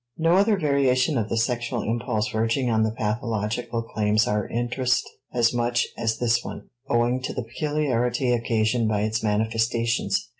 No other variation of the sexual impulse verging on the pathological claims our interest as much as this one, owing to the peculiarity occasioned by its manifestations.